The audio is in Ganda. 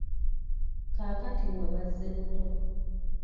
Kaakati nno bazze buto.